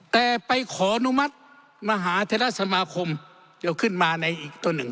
แต่ไปขออนุมัติมหาเทราสมาคมจะขึ้นมาในอีกต้นหนึ่ง